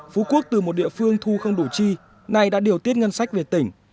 phú quốc từ một địa phương thu không đủ chi này đã điều tiết ngân sách về tỉnh